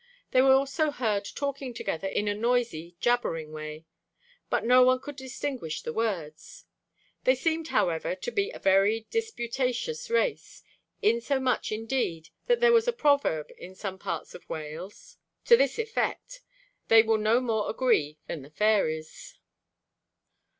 They were also heard talking together in a noisy, jabbering way; but no one could distinguish the words. They seemed, however, to be a very disputatious race; insomuch, indeed, that there was a proverb in some parts of Wales to this effect: 'Ni chytunant hwy mwy na Bendith eu Mamau,' (They will no more agree than the fairies).